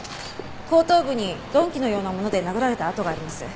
後頭部に鈍器のようなもので殴られた痕があります。